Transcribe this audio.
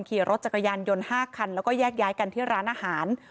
ขี่รถจักรยานยนต์๕คันแล้วก็แยกย้ายกันที่ร้านอาหาร